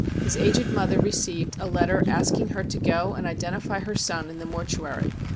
His aged mother received a letter asking her to go and identify her son in the mortuary.